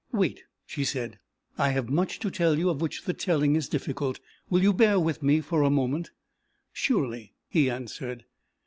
"Wait," she said, "I have much to tell you of which the telling is difficult. Will you bear with me a moment?" "Surely," he answered.